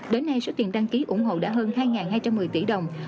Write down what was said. đến nay số tiền đăng ký ủng hộ đã hơn hai hai trăm một mươi tỷ đồng